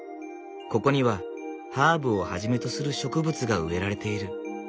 ここにはハーブをはじめとする植物が植えられている。